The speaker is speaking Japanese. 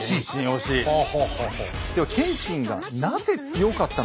でも謙信がなぜ強かったのか。